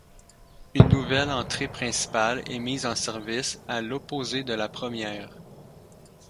Une nouvelle entrée principale est mise en service à l'opposé de la première.